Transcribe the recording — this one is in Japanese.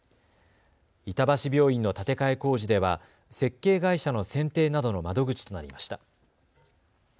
板橋病院の建て替え工事では設計会社の選定などの窓口となりました。